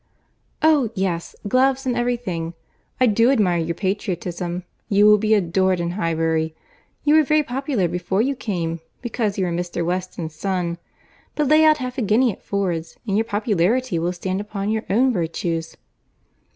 "Oh! yes, gloves and every thing. I do admire your patriotism. You will be adored in Highbury. You were very popular before you came, because you were Mr. Weston's son—but lay out half a guinea at Ford's, and your popularity will stand upon your own virtues."